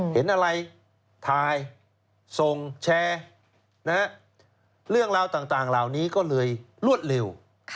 เห็นอะไรถ่ายส่งแชร์เรื่องราวต่างเหล่านี้ก็เลยรวดเร็ว